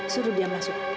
suruh dia masuk